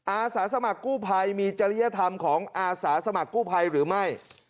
อาสาสมัครกู้ภัยมีจริยธรรมของอาสาสมัครกู้ภัยหรือไม่